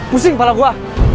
pusing kepala gue